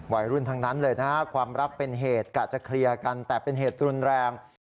วัยรุ่นทั้งนั้นเลยนะความรักเป็นเหตุกะจะเคลียร์กันแต่เป็นเหตุรุนแรง